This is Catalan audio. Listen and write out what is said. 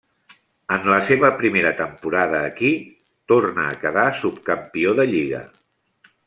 En la seva primera temporada aquí, torna a quedar subcampió de lliga.